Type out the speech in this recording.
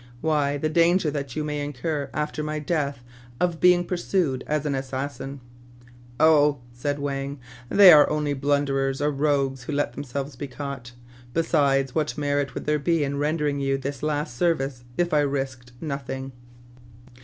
" Why, the danger that you may incur after my death of being pursued as an assassin." " Oh !" said Wang, " they are only blunderers or rogues who let themselves be caught. Besides, what merit would there be in rendering you this last service if I risked nothing